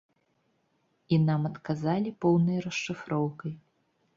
І нам адказалі поўнай расшыфроўкай.